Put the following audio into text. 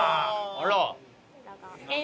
あら！